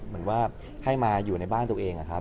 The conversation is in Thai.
เหมือนว่าให้มาอยู่ในบ้านตัวเองนะครับ